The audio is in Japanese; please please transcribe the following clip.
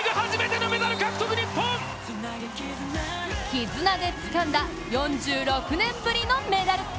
キズナでつかんだ４６年ぶりのメダル。